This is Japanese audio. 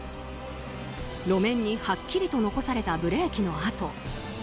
路面にはっきりと残されたブレーキの跡。